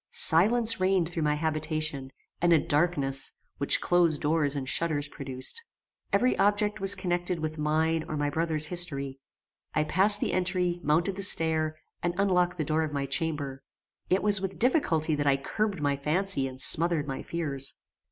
Silence reigned through my habitation, and a darkness which closed doors and shutters produced. Every object was connected with mine or my brother's history. I passed the entry, mounted the stair, and unlocked the door of my chamber. It was with difficulty that I curbed my fancy and smothered my fears.